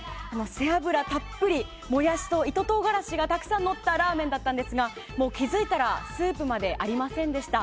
背油たっぷりもやしと糸唐辛子がたくさんのったラーメンだったんですがもう気づいたらスープまでありませんでした。